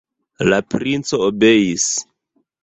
La princo obeis.